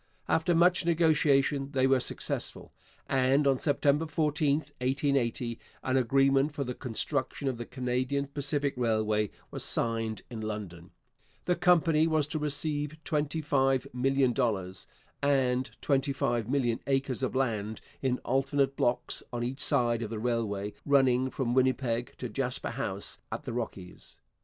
After much negotiation they were successful, and on September 14, 1880, an agreement for the construction of the Canadian Pacific Railway was signed in London. The company was to receive $25,000,000 and 25,000,000 acres of land in alternate blocks on each side of the railway running from Winnipeg to Jasper House at the Rockies.